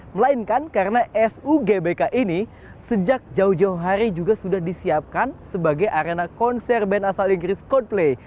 melainkan karena sugbk ini sejak jauh jauh hari juga sudah disiapkan sebagai arena konser band asal inggris coldplay